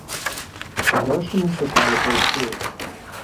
Грошы мы шукалі паўсюль.